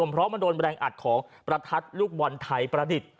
เพราะมันโดนแรงอัดของประทัดลูกบอลไทยประดิษฐ์